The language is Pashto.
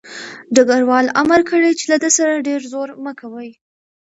ډګروال امر کړی چې له ده سره ډېر زور مه کوئ